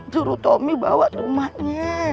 suruh tomi bawa tumatnya